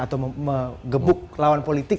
atau mengebuk lawan politik